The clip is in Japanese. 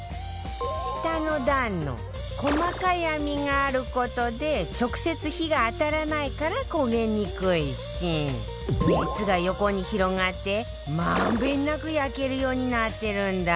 下の段の細かい網がある事で直接火が当たらないから焦げにくいし熱が横に広がって満遍なく焼けるようになってるんだって